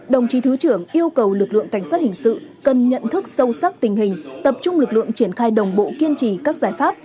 đồng chí thứ trưởng yêu cầu lực lượng cảnh sát hình sự cần nhận thức sâu sắc tình hình tập trung lực lượng triển khai đồng bộ kiên trì các giải pháp